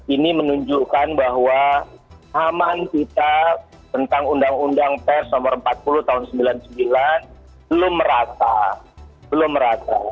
ini menunjukkan bahwa aman kita tentang undang undang pers nomor empat puluh tahun sembilan puluh sembilan belum merata